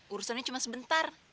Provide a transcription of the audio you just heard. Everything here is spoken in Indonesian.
urusannya cuma sebentar